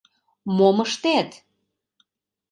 Мом ыштет?..